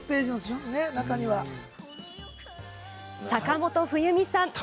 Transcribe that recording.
坂本冬美さん